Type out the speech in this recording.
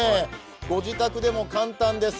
ご自宅でも簡単です。